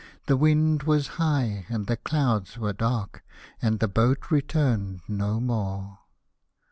The wind was high and the clouds were dark, And the boat returned no more.